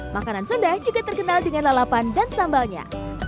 makanan sunda juga terkenal dengan lalapan dan sambalnya